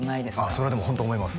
それはでもホント思います